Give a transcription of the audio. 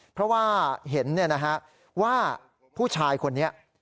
เพราะว่าเห็นว่าผู้ชายคนนี้